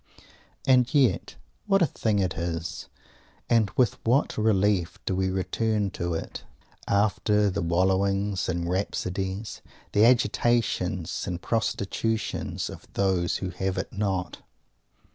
And yet what a thing it is! And with what relief do we return to it, after the "wallowings" and "rhapsodies," the agitations and prostitutions, of those who have it not!